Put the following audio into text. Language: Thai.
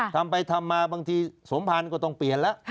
ทำไปทำมาบางทีสมพันธ์ก็ต้องเปลี่ยนแล้ว